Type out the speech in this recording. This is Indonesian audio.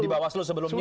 di bawah selu sebelumnya